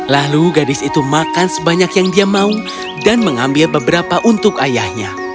lalu gadis itu makan sebanyak yang dia mau dan mengambil beberapa untuk ayahnya